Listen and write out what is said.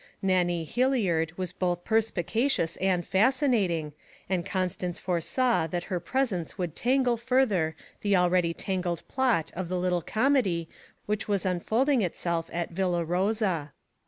Nannie Hilliard was both perspicacious and fascinating, and Constance foresaw that her presence would tangle further the already tangled plot of the little comedy which was unfolding itself at Villa Rosa.